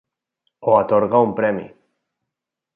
O atorga un premi.